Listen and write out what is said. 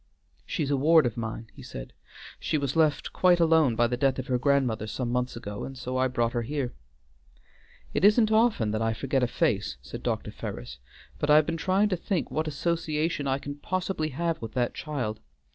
"She is a ward of mine," he said; "she was left quite alone by the death of her grandmother some months ago, and so I brought her here." "It isn't often that I forget a face," said Dr. Ferris, "but I have been trying to think what association I can possibly have with that child.